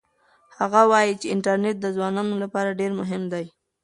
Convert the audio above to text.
هغه وایي چې انټرنيټ د ځوانانو لپاره ډېر مهم دی.